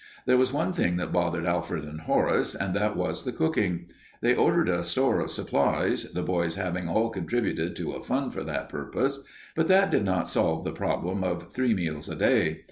There was one thing that bothered Alfred and Horace, and that was the cooking. They ordered a store of supplies, the boys having all contributed to a fund for that purpose, but that did not solve the problem of three meals a day.